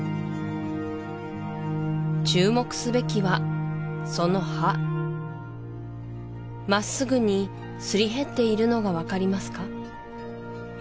注目すべきはその歯まっすぐにすり減っているのが分かりますか？